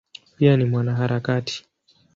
Pia ni mwanaharakati.